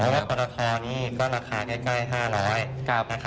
แล้วก็ปอร์ตะทอนี่ก็ราคาใกล้๕๐๐บาท